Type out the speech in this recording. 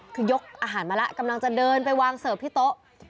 คือยกอาหารมาแล้วกำลังจะเดินไปวางเสิร์ฟที่โต๊ะ